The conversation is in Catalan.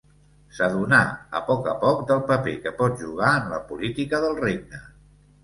S'adonà a poc a poc del paper que pot jugar en la política del regne.